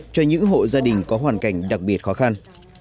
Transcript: cho những hộ gia đình có hoàn toàn